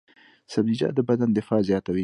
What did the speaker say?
سبزیجات د بدن دفاع زیاتوي.